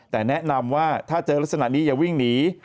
แต่แนะนำว่าถ้าเจอลักษณะนี้อย่าวิ่งหนี